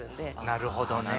なるほどね。